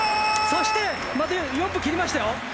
そしてまた４分切りましたよ